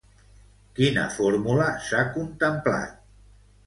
Quina fórmula s'ha contemplat?